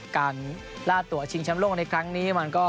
ลาดตัวชิงแชมป์โลกในครั้งนี้มันก็